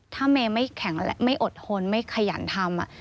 ถ้าเมย์ไม่แข็งและไม่อดทนไม่ขยันทำ